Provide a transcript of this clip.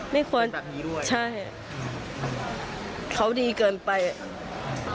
ไม่ควรจะเป็นแบบนี้ด้วย